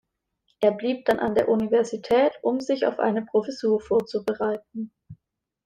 Er blieb dann an der Universität, um sich auf eine Professur vorzubereiten.